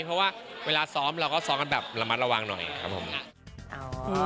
เพราะว่าเวลาซ้อมเราก็ซ้อมกันแบบระมัดระวังหน่อยครับผม